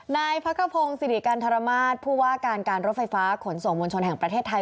นายพระขพงศ์สิริกันทรมาศผู้ว่าการการรถไฟฟ้าขนส่งมวลชนแห่งประเทศไทย